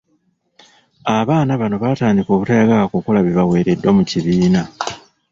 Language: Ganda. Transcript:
Abaana bano baatandika obutayagala kukola bibaweereddwa mu kibiina.